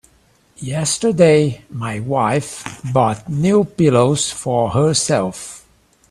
Yesterday my wife bought new pillows for herself.